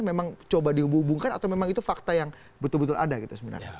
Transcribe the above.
memang coba dihubungkan atau memang itu fakta yang betul betul ada gitu sebenarnya